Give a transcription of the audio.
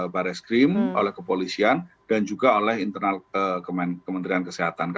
baris krim oleh kepolisian dan juga oleh internal kementerian kesehatan